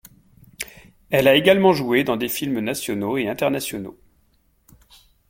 Elle a également joué dans des films nationaux et internationaux.